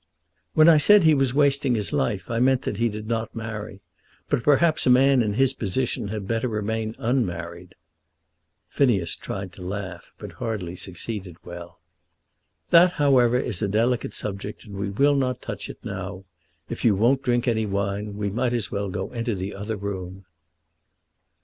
"When I said he was wasting his life, I meant that he did not marry. But perhaps a man in his position had better remain unmarried." Phineas tried to laugh, but hardly succeeded well. "That, however, is a delicate subject, and we will not touch it now. If you won't drink any wine we might as well go into the other room."